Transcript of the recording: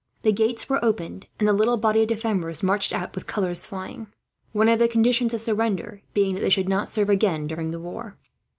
The gates were opened, and the little body of defenders marched out, with colours flying. One of the conditions of surrender had been that they should not serve again during the war.